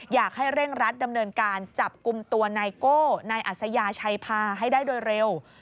อยากให้เร่งรัดดำเนินการจับกลุ่มตัวนายโก้นายอัศยาชัยพาให้ได้โดยเร็ว